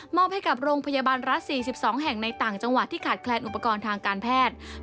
อบให้กับโรงพยาบาลรัฐ๔๒แห่งในต่างจังหวัดที่ขาดแคลนอุปกรณ์ทางการแพทย์